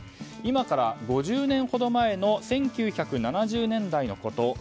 今から５０年ほど前の１９７０年代のこと。